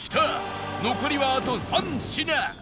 残りはあと３品